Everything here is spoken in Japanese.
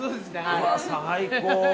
うわ、最高！